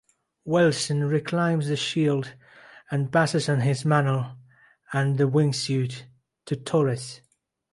Wilson reclaims the shield and passes on his mantle and the wingsuit to Torres.